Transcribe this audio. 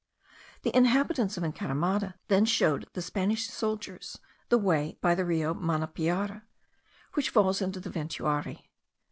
The inhabitants of Encaramada then showed the Spanish soldiers the way by the Rio Manapiari,* which falls into the Ventuari.